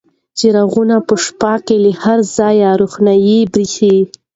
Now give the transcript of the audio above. چراغونه په شپې کې له هر ځایه روښانه بریښي.